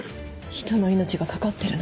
人の命が懸かってるのに。